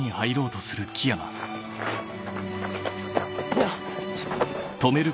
いや。